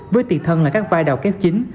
với tiền thân là các vai đào kép chính